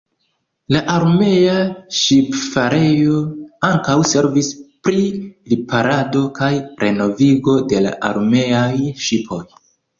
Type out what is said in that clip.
La armea ŝipfarejo ankaŭ servis pri riparado kaj renovigo de la armeaj ŝipoj.